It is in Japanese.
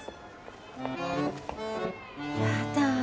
やだ